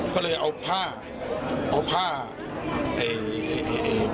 ก็เลยเอาผ้าเอาผ้าเอ่ยเอ่ยเอ่ยเอ่ย